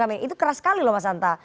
itu keras sekali loh mas hanta